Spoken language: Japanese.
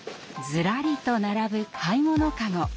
ずらりと並ぶ買い物カゴ。